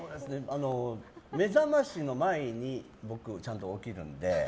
目覚ましの前に僕ちゃんと起きるので。